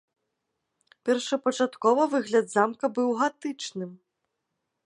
Першапачаткова выгляд замка быў гатычным.